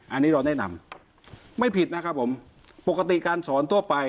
อันนี้เราแนะนำไม่ผิดนะครับผมปกติการสอนทั่วไป